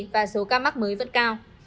và số ca mắc mới vẫn cao